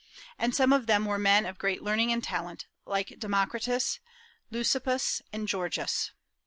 And some of them were men of great learning and talent, like Democritus, Leucippus, and Gorgias.